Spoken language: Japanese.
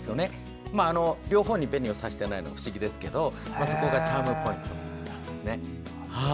両方に紅をさしてないのは不思議ですがそこがチャームポイントです。